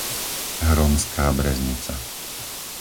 Hronská Breznica